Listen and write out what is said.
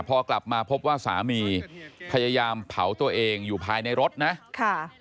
พอกลับมาพบว่าสามีพยายามเผาตัวเองอยู่ภายในรถนะค่ะ